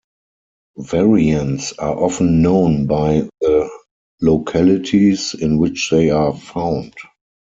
Variants are often known by the localities in which they are found.